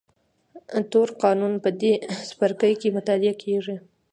تور قانون په دې څپرکي کې مطالعه کېږي.